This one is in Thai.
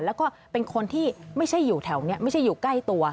แล้วก็เป็นคนที่ไม่ใช่อยู่แถวนี้ไม่ใช่อยู่ใกล้ตัว